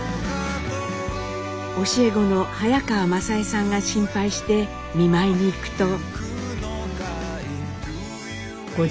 教え子の早川理枝さんが心配して見舞いに行くと。